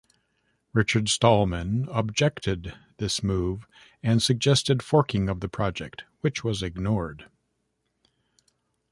Richard Stallman objected this move and suggested forking of the project, which was ignored.